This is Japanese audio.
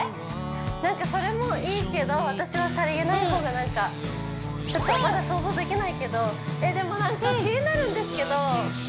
なんかそれもいいけど私はさりげない方がなんかちょっとまだ想像できないけどえっでもなんか気になるんですけど